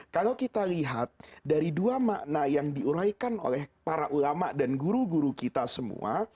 kalau kita lihat dari dua makna yang diuraikan oleh para ulama dan guru guru kita semua